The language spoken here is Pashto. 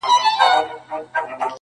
كه بې وفا سوې گراني ,